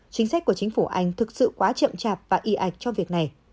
chính sách của chính phủ anh thực sự quá chậm chạp và y ạch cho việc này